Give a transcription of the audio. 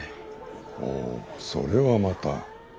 ほうそれはまた。